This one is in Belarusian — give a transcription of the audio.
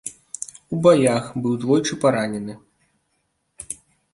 У баях, быў двойчы паранены.